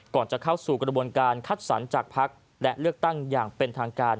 ก่อนจะเข้าสู่กระบวนการคัดสรรจากพักและเลือกตั้งอย่างเป็นทางการ